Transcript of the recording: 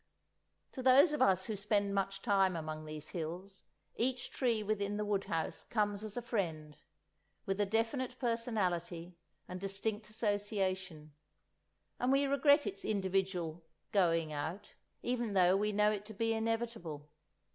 To those of us who spend much time among these hills, each tree within the wood house comes as a friend, with a definite personality and distinct association, and we regret its individual "going out," even though we know it to be inevitable.